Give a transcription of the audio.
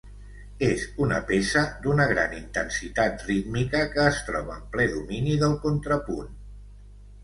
És una peça d'una gran intensitat rítmica que es troba en ple domini del contrapunt.